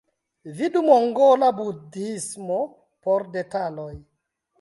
Vidu mongola Budhismo por detaloj.